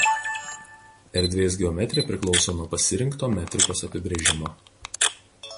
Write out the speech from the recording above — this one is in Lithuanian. Erdvės geometrija priklauso nuo pasirinkto metrikos apibrėžimo.